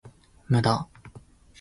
無駄